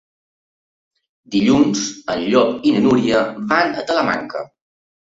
Dilluns en Llop i na Núria van a Talamanca.